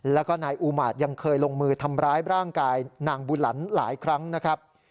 แล้วก็นายอูมาตยังเคยลงมือทำร้ายร่างกายนางบุหลันหลายครั้งนะครับ